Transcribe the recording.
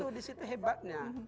di situ hebatnya